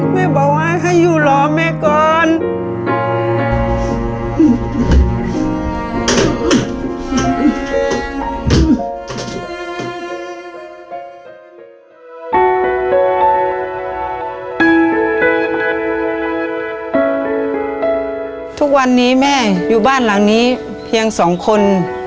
แม่บอกว่าให้อยู่รอแม่ก่อน